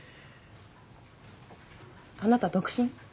あなた独身？